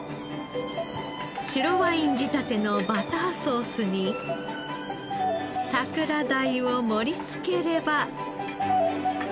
白ワイン仕立てのバターソースに桜鯛を盛りつければ。